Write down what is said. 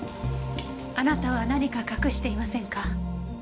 あなたは何か隠していませんか？